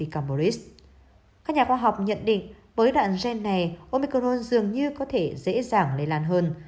các nhà khoa học nhận định với đoạn gen này omicron dường như có thể dễ dàng lây lan hơn